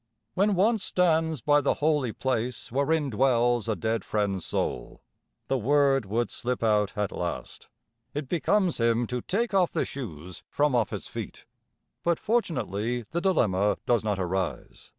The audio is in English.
When one stands by the holy place wherein dwells a dead friend's soul the word would slip out at last it becomes him to take off the shoes from off his feet. But fortunately the dilemma does not arise.